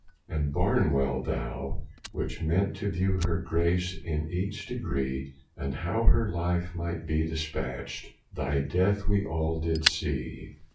And Barnwell thou, which went to view Her grace in each degree, And how her life might be dispatcht, Thy death we all did see.